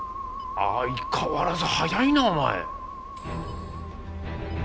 相変わらず早いなお前。